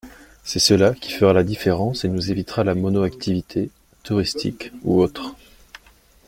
C’est cela qui fera la différence et nous évitera la mono-activité, touristique ou autre.